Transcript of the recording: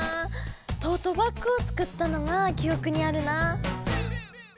トートバックを作ったのがきおくにあるな。